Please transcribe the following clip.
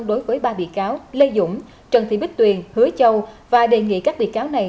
đối với ba bị cáo lê dũng trần thị bích tuyền hứa châu và đề nghị các bị cáo này